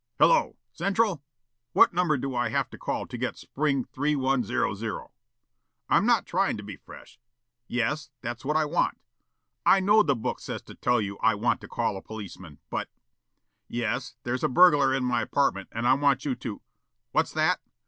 "Hello! Central? What number do I have to call to get Spring 3100? ... I'm not trying to be fresh: ... Yes, that's what I want ... I know the book says to tell you 'I want to call a policeman' but ... Yes, there's a burglar in my apartment and I want you to What's that?